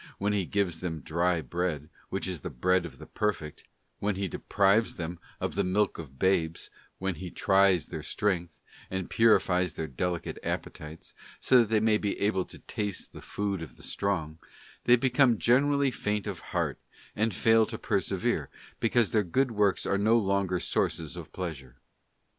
when He gives them dry bread, which is the bread of the perfect, when He deprives them of the milk of babes, when He tries their strength, and purifies their delicate appetites, so that they may be able to taste the food of the strong — they become generally faint of heart, and fail to persevere, because their good works are no longer sources of pleasure.